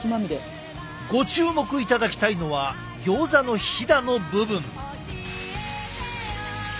ご注目いただきたいのはギョーザのヒダの部分。